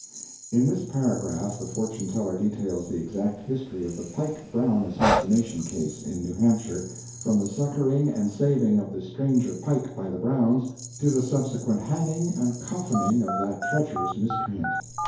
[In this paragraph the fortune teller details the exact history of the Pike Brown assassination case in New Hampshire, from the succoring and saving of the stranger Pike by the Browns, to the subsequent hanging and coffining of that treacherous miscreant.